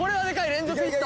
連続ヒット！